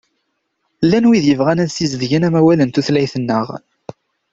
Llan wid yebɣan ad sizedgen amawal n tutlayt-nneɣ.